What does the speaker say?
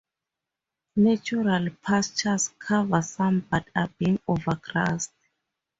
Natural pastures cover some but are being overgrazed.